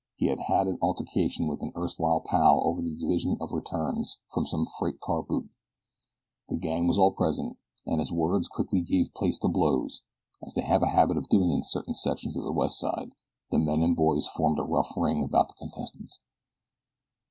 He had had an altercation with an erstwhile pal over the division of the returns from some freight car booty. The gang was all present, and as words quickly gave place to blows, as they have a habit of doing in certain sections of the West Side, the men and boys formed a rough ring about the contestants.